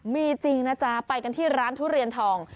มีจริงนะจ๊ะไปกันที่ร้านทุเรียนทอง